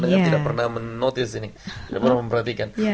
mungkin pendengar tidak pernah menotis ini